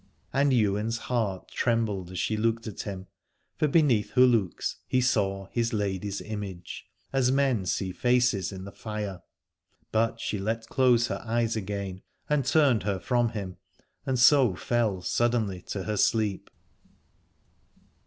And Ywain's heart trembled as she looked at him ; for beneath her looks he saw his lady's image, 127 Aladore as men see faces in the fire. But she let close her eyes again and turned her from him and so fell suddenly to her sleep.